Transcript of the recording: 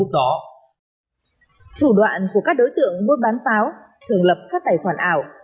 thủ đoạn của các đối tượng mua bán pháo thường lập các tài khoản ảo